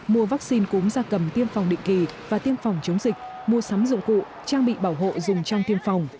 mua vaccine cúm da cầm tiêm phòng định kỳ và tiêm phòng chống dịch mua sắm dụng cụ trang bị bảo hộ dùng trong tiêm phòng